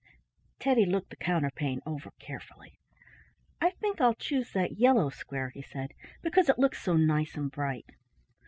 Teddy looked the counterpane over carefully. "I think I'll choose that yellow square," he said, "because it looks so nice and bright."